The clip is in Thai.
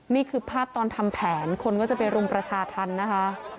นี่คือภาพตอนทำแผนคนก็จะไปรุมประชาธรรมนะคะ